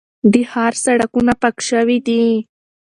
د ښار سړکونه پاک شوي دي.